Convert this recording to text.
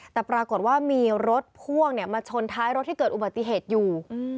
แต่ปรากฏว่ามีรถพ่วงมาชนท้ายรถที่เกิดอุบัติเหตุอยู่